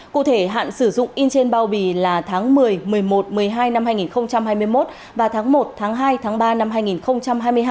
cụ thể hạn sử dụng in trên bao bì là tháng một mươi một mươi một một mươi hai năm hai nghìn hai mươi một và tháng một tháng hai tháng ba năm hai nghìn hai mươi hai